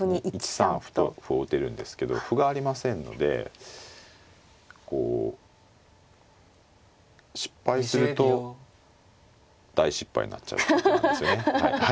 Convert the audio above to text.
１三歩と歩を打てるんですけど歩がありませんのでこう失敗すると大失敗になっちゃうってことなんですよね。